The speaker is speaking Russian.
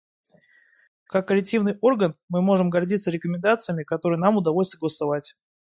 Как коллективный орган мы можем гордиться рекомендациями, которые нам удалось согласовать.